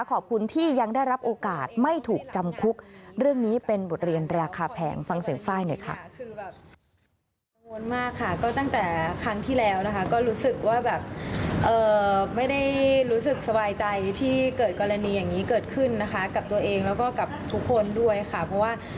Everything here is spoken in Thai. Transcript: ขอบคุณที่ยังได้รับโอกาสไม่ถูกจำคุกเรื่องนี้เป็นบทเรียนราคาแพงฟังเสียงไฟล์หน่อยค่ะ